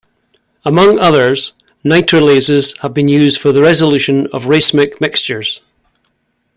Among others, nitrilases have been used for the resolution of racemic mixtures.